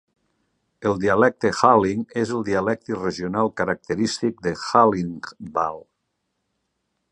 El dialecte Halling és el dialecte regional característic de Hallingdal.